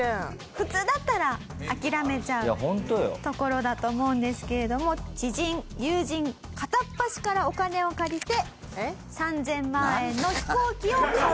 普通だったら諦めちゃうところだと思うんですけれども知人友人片っ端からお金を借りて３０００万円の飛行機を買う。